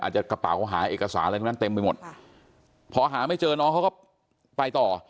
จะกระเป๋าหาเอกสารอะไรพวกนั้นเต็มไปหมดพอหาไม่เจอน้องเขาก็ไปต่อ